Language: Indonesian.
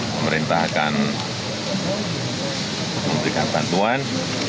pemerintah akan memberikan bantuan